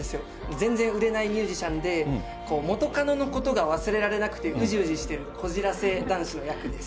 全然売れないミュージシャンで、元カノのことが忘れられなくてうじうじしてるこじらせ男子の役です。